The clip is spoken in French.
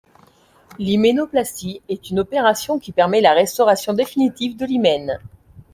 L’hyménoplastie est une opération qui permet la restauration définitive de l’hymen.